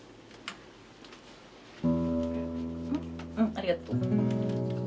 ありがとう。